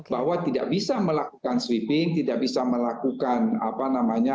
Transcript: bahwa tidak bisa melakukan sweeping tidak bisa melakukan apa namanya